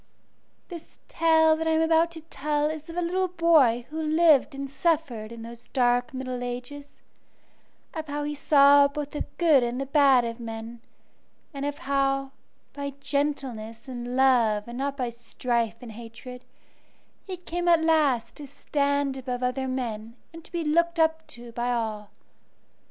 This tale that I am about to tell is of a little boy who lived and suffered in those dark middle ages; of how he saw both the good and the bad of men, and of how, by gentleness and love and not by strife and hatred, he came at last to stand above other men and to be looked up to by all.